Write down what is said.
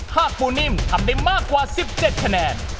ถ้าปูนิ่มทำได้มากกว่า๑๗คะแนน